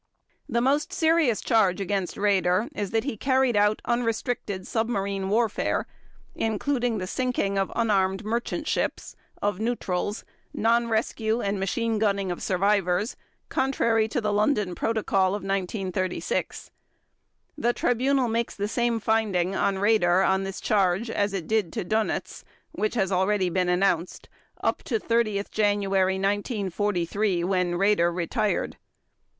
The most serious charge against Raeder is that he carried out unrestricted submarine warfare, including sinking of unarmed merchant ships, of neutrals, non rescue and machine gunning of survivors, contrary to the London Protocol of 1936. The Tribunal makes the same finding on Raeder on this charge as it did as to Dönitz, which has already been announced, up until 30 January 1943 when Raeder retired.